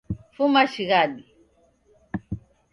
Fuma shighadi